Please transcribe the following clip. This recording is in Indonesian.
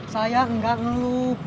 saya gak ngeluk